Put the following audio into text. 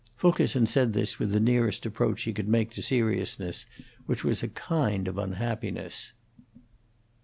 Fulkerson said this with the nearest approach he could make to seriousness, which was a kind of unhappiness.